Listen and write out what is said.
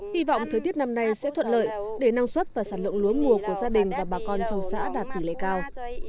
hy vọng thời tiết năm nay sẽ thuận lợi để năng suất và sản lượng lúa mùa của gia đình và bà con trong xã đạt tỷ lệ cao